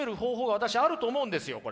私あると思うんですよこれ。